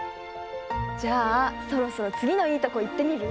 じゃあそろそろつぎのいいとこいってみる？